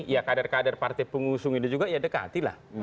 ya kader kader partai pengusung ini juga ya dekatilah